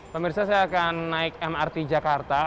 pemirsa saya akan naik mrt jakarta